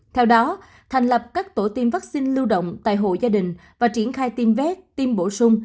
theo đó thành lập các tổ tiêm vaccine lưu động tại hộ gia đình và triển khai tiêm vét tiêm bổ sung